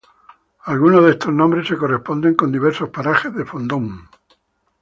Algunos de estos nombres se corresponden con diversos parajes de Fondón.